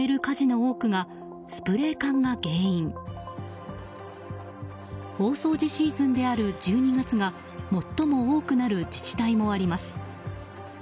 大掃除シーズンである１２月が最も多くなる自治体もあります。